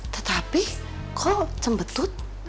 tetapi kok cembetut